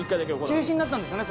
中止になったんですよね。